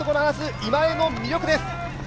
今江の魅力です！